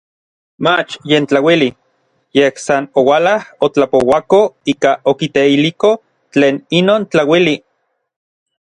Mach yen tlauili, yej san oualaj otlapouako ika okiteiliko tlen inon tlauili.